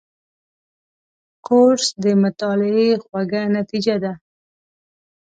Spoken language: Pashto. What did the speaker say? کورس د مطالعې خوږه نتیجه ده.